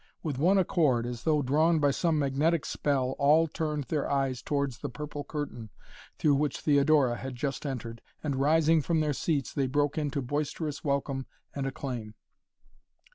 With one accord, as though drawn by some magnetic spell, all turned their eyes towards the purple curtain through which Theodora had just entered, and, rising from their seats, they broke into boisterous welcome and acclaim.